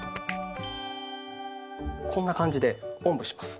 こんな感じでおんぶします。